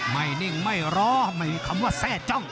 นิ่งไม่ร้อไม่มีคำว่าแทร่จ้อง